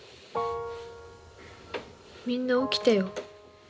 みんな起きてよ。